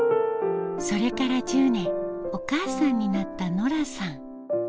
それから１０年お母さんになったノラさん